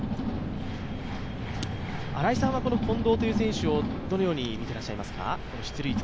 新井さんは近藤という選手をどのように見てらっしゃいますか。